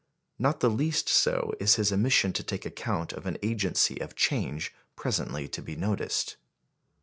Not the least so is his omission to take account of an agency of change presently to be noticed.